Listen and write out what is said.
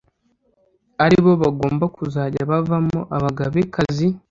aribo bagomba kuzajya bavamo Abagabekazi.